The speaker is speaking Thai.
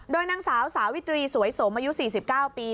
โดยนางสาวสาวิตรีสวยสมอายุ๔๙ปี